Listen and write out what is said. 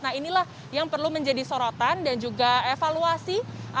nah inilah yang perlu menjadi sorotan dan juga evaluasi